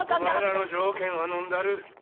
お前らの条件はのんだる。